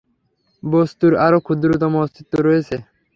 বস্তুর আরও ক্ষুদ্রতম অস্তিত্ব রয়েছে।